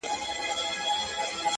زما د حسن نیت په انتها باندي تف تف